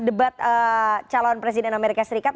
debat calon presiden amerika serikat